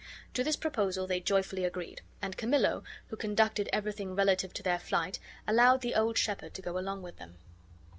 To this proposal they joyfully agreed; and Camillo, who conducted everything relative to their flight, allowed the old shepherd to go along with them.